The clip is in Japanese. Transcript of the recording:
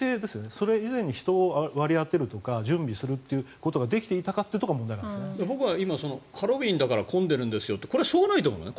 それ以前に人を割り当てるとか準備するっていうことができていたかというところが僕は今のハロウィーンだから混んでますっていうこれはしょうがないと思うのね。